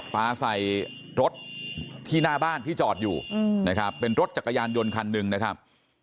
ปลาใส่รถที่หน้าบ้านที่จอดอยู่นะครับเป็นรถจักรยานยนต์คันหนึ่งนะครับ